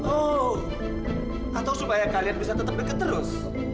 oh atau supaya kalian bisa tetap dekat terus